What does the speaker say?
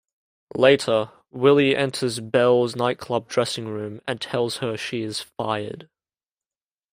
Later, Willie enters Belle's nightclub dressing room and tells her she is fired.